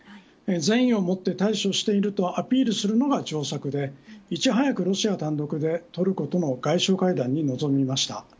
善意をもって対処しているとアピールするのが上策でいち早くロシア単独でトルコとの外相会談に臨みました。